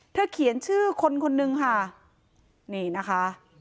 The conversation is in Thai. เขียนชื่อคนคนนึงค่ะนี่นะคะ